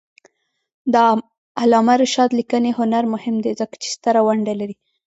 د علامه رشاد لیکنی هنر مهم دی ځکه چې ستره ونډه لري.